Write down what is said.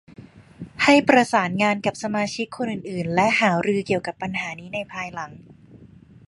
ให้ประสานงานกับสมาชิกคนอื่น ๆ และหารือเกี่ยวกับปัญหานี้ในภายหลัง